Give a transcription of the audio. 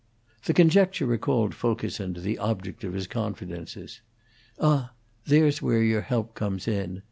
The conjecture recalled Fulkerson to the object of his confidences. "Ah, there's where your help comes in.